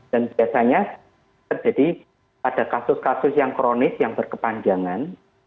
biasanya terjadi pada kasus kasus yang kronis yang berkepanjangan